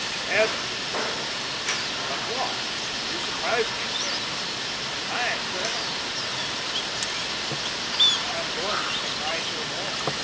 "Heavens!" cried the other. "But why? You surprise me, sir." "Aye, colonel," rejoined the skipper. "But I am going to surprise you more.